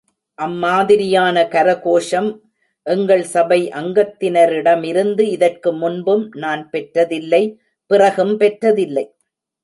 அம்மாதிரியான கரகோஷம் எங்கள் சபை அங்கத்தினரிடமிருந்து இதற்கு முன்பும் நான் பெற்றதில்லை பிறகும் பெற்றதில்லை.